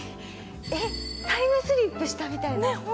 タイムスリップしたみたいな。